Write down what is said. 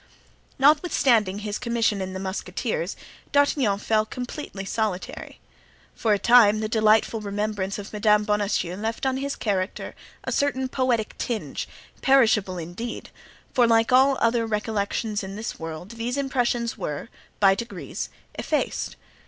Notwithstanding his commission in the musketeers, D'Artagnan felt completely solitary. For a time the delightful remembrance of Madame Bonancieux left on his character a certain poetic tinge, perishable indeed; for like all other recollections in this world, these impressions were, by degrees, effaced.